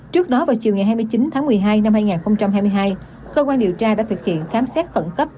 trước đó vào chiều ngày hai mươi chín tháng một mươi hai năm hai nghìn hai mươi hai cơ quan điều tra đã thực hiện khám xét khẩn cấp